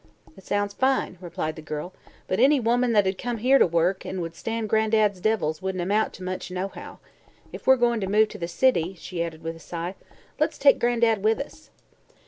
"It sounds fine," replied the girl, "but any woman that'd come here to work, an' would stan' Gran'dad's devils, wouldn't amount to much, nohow. If we're goin' to move to the city," she added with a sigh, "let's take Gran'dad with us."